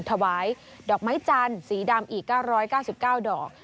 ถวายดอกไม้จันทร์สีดำอีก๙๙๙ดอก